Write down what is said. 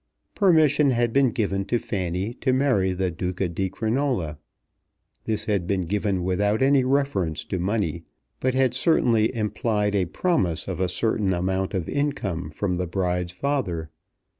Permission had been given to Fanny to marry the Duca di Crinola. This had been given without any reference to money, but had certainly implied a promise of a certain amount of income from the bride's father.